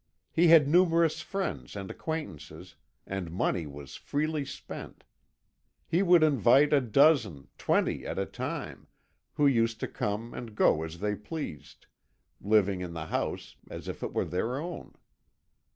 He had numerous friends and acquaintances, and money was freely spent; he would invite a dozen, twenty at a time, who used to come and go as they pleased, living in the house as if it were their own.